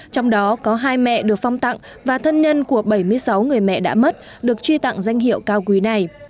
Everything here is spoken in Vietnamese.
trong đó có hai mẹ được phong tặng và thân nhân của bảy mươi sáu người mẹ đã mất được truy tặng danh hiệu cao quý này